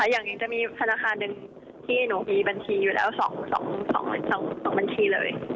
อย่างหนึ่งจะมีธนาคารหนึ่งที่หนูมีบัญชีอยู่แล้ว๒บัญชีเลย